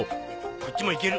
こっちも行ける。